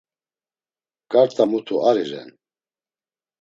Ǩarta mutu ari ren.